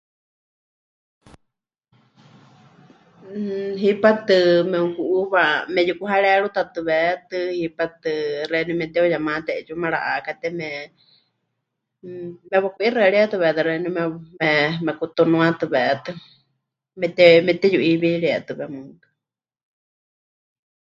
Mmm hipátɨ memɨku'uuwa meyukuharerutatɨwetɨ, hipátɨ xeeníu memɨte'uyemate 'eetsiwa mara'aakáte me... mmm... mewaku'ixɨaríetɨwetɨ xeeníu me... me... mekutunuatɨwetɨ, mepɨte... mepɨteyu'iiwírietɨwe mɨɨkɨ.